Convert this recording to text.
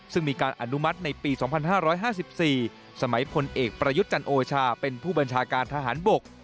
ซึ่งมีการอนุมัติในปี๒๕๕๔สมัยพลเอกประยุทธ์จันโอชาเป็นผู้บัญชาการทหารบก